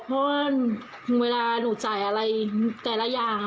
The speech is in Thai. เพราะว่าเวลาหนูจ่ายอะไรแต่ละอย่าง